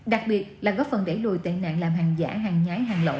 đặc biệt là góp phần đẩy lùi tệ nạn làm hàng giả hàng nhái hàng lậu